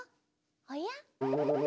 おや？